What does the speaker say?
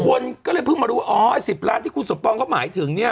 คนก็เลยเพิ่งมารู้ว่าอ๋อ๑๐ล้านที่คุณสมปองเขาหมายถึงเนี่ย